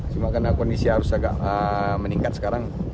cuma karena kondisi harus agak meningkat sekarang